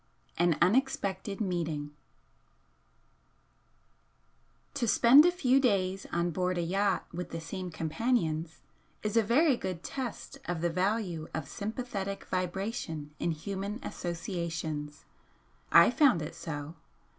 V AN UNEXPECTED MEETING To spend a few days on board a yacht with the same companions is a very good test of the value of sympathetic vibration in human associations. I found it so.